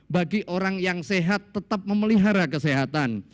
bagi orang yang sehat tetap memelihara kesehatan